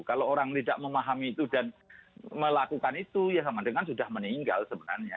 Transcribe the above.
kalau orang tidak memahami itu dan melakukan itu ya sama dengan sudah meninggal sebenarnya